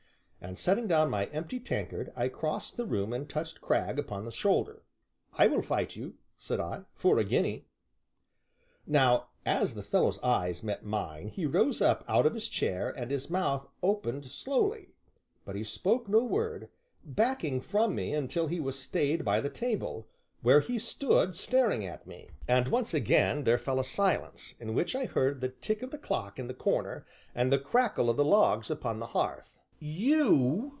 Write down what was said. And, setting down my empty tankard, I crossed the room and touched Cragg upon the shoulder. "I will fight you," said I, "for a guinea." Now, as the fellow's eyes met mine, he rose up out of his chair and his mouth opened slowly, but he spoke no word, backing from me until he was stayed by the table, where he stood, staring at me. And once again there fell a silence, in which I heard the tick of the clock in the corner and the crackle of the logs upon the hearth. "You?"